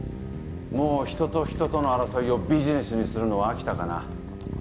もう人と人との争いをビジネスにするのは飽きたかな。